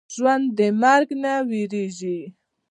ژوندي د مرګ نه وېرېږي